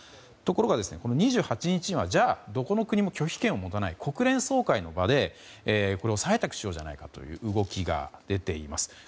ところが２８日はじゃあ、どこの国も拒否権を持たない国連総会の場で採択しようじゃないかという動きが出ています。